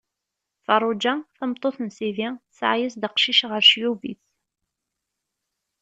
Feṛṛuǧa, tameṭṭut n sidi, tesɛa-as-d aqcic ɣer ccyub-is.